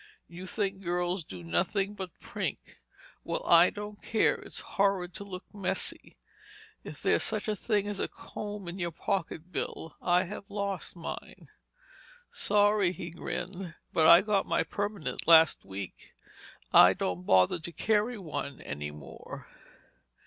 You think girls do nothing but prink. Well, I don't care—it's horrid to look messy. Is there such a thing as a comb in your pocket, Bill? I have lost mine." "Sorry," he grinned, "but I got my permanent last week. I don't bother to carry one any more."